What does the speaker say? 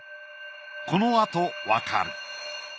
このあとわかる。